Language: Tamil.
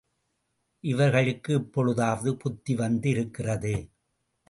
இவர்களுக்கு இப்பொழுதாவது புத்தி வந்து இருக்கிறது.